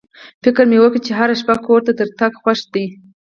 فکر مې وکړ چې هره شپه کور ته تر تګ خو ښه دی.